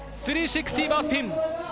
３６０バースピン。